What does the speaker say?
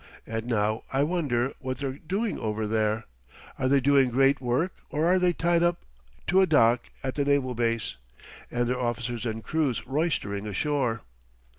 And now I wonder what they're doing over there? Are they doing great work or are they tied up to a dock at the naval base, and their officers and crews roistering ashore?"